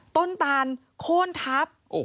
ต้นต่านโค้นทับ